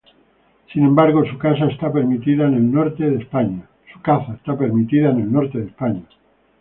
Sin embargo, su caza está permitida en el norte de España.